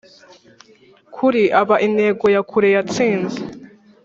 kuri aba intego ya kure yatsinze